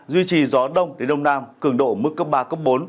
duy trì gió đông đến đông nam cường độ mức cấp ba cấp bốn